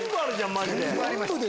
マジで。